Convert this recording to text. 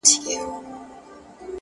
دا درې جامونـه پـه واوښـتـل;